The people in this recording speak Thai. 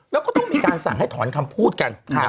แล้วก็ต้องมีการสั่งให้ถอนคำพูดกัน